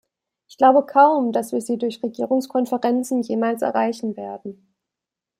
Ich glaube kaum, dass wir sie durch Regierungskonferenzen jemals erreichen werden.